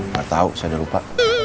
gak tau saya udah lupa